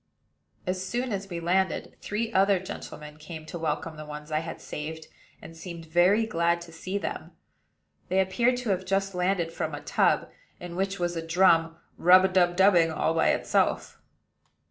As soon as we landed, three other gentlemen came to welcome the ones I had saved, and seemed very glad to see them. They appeared to have just landed from a tub in which was a drum, rub a dub dubbing all by itself.